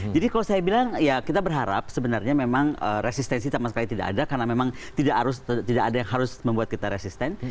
jadi kalau saya bilang ya kita berharap sebenarnya memang resistensi sama sekali tidak ada karena memang tidak ada yang harus membuat kita resisten